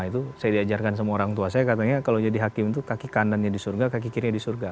itu saya diajarkan sama orang tua saya katanya kalau jadi hakim itu kaki kanannya di surga kaki kirinya di surga